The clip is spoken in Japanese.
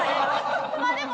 まあでも。